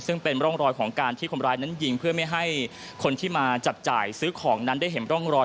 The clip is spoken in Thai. ซึ่งเป็นร่องรอยของการที่คนร้ายนั้นยิงเพื่อไม่ให้คนที่มาจับจ่ายซื้อของนั้นได้เห็นร่องรอย